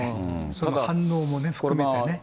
その反応も含めてね。